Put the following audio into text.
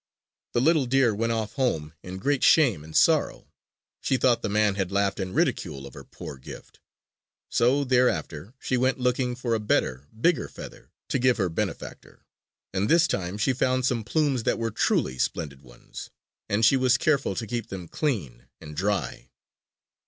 The little deer went off home in great shame and sorrow. She thought the man had laughed in ridicule of her poor gift! So thereafter she went looking for a better, bigger feather to give her benefactor; and this time she found some plumes that were truly splendid ones; and she was careful to keep them clean and dry.